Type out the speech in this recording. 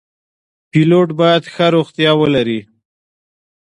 پیلوټ باید ښه روغتیا ولري.